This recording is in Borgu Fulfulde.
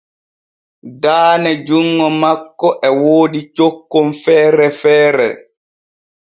Daane junŋo makko e woodi cokkon feere feere.